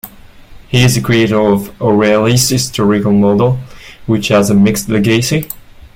He is the creator of the O'Rahilly's historical model which has a mixed legacy.